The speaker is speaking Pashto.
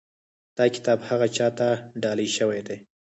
دا کتاب هغه چا ته ډالۍ شوی دی.